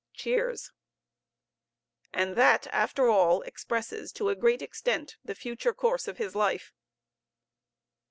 (Cheers.) And that, after all, expresses to a great extent the future course of his life.